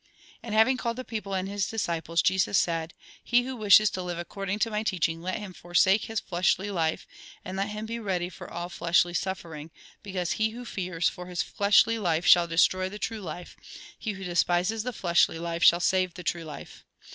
And having called the people and his disciples, Jesus said :" He who wishes to live according to my teaching, let him forsake his fleshly life, and let him be ready for all fleshly suffering ; because he who fears for his fleshly life, shall destroy the true life ; he who despises the fleshly life, shall save the true life.''